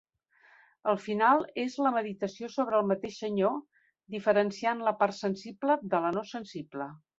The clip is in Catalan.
El final és la meditació sobre el mateix Senyor, diferenciant la part sensible de la no sensible.